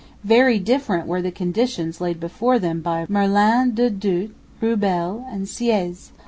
Very different were the conditions laid before them by Merlin de Douat, Rewbell and Siéyès.